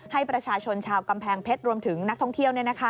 ให้ประชาชนชาวกำแพงเพชรรวมถึงนักท่องเที่ยว